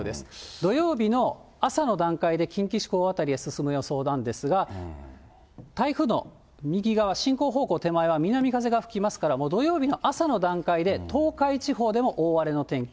土曜日の朝の段階で近畿地方辺りへ進む予想なんですが、台風の右側、進行方向手前は南風が吹きますから、土曜日の朝の段階で、東海地方でも大荒れの天気。